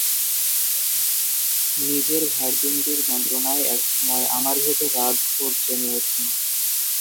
নিজের ভার্জিনিটির যন্ত্রণায় একসময় আমার ভেতর রাগ ক্ষোভ জমে উঠে।